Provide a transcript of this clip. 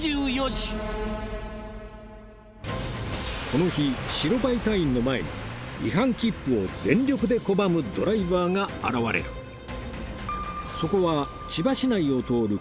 この日白バイ隊員の前に違反切符を全力で拒むドライバーが現れるそこは千葉市内を通る